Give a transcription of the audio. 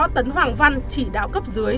tấn hoàng văn chỉ đạo cấp dưới